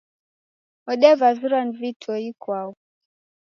Odevavirwa ni vitoi ikwau.